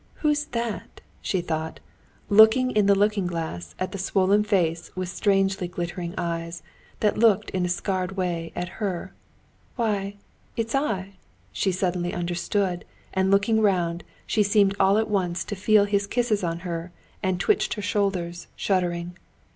"Who's that?" she thought, looking in the looking glass at the swollen face with strangely glittering eyes, that looked in a scared way at her. "Why, it's I!" she suddenly understood, and looking round, she seemed all at once to feel his kisses on her, and twitched her shoulders, shuddering.